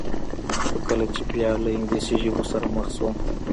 خو کله چې به بیا له انګلیسي ژبو سره مخ شوم.